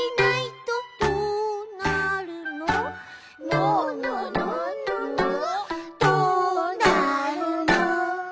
「ののののどなるの？」